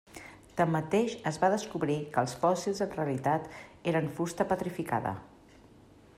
Tanmateix, es va descobrir que els fòssils en realitat eren fusta petrificada.